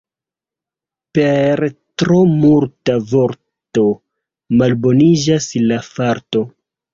Per tro multa varto malboniĝas la farto.